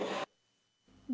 về nguyên lý trả tiền